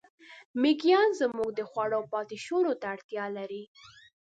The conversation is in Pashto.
مېږیان زموږ د خوړو پاتېشونو ته اړتیا لري.